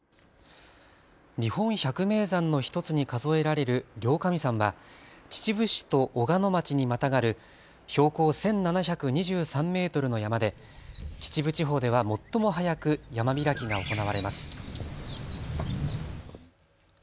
日本百名山の１つに数えられる両神山は秩父市と小鹿野町にまたがる標高１７２３メートルの山で秩父地方では最も早く山開きが行われます。